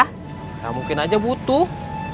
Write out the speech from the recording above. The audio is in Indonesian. enggak mungkin saja butuh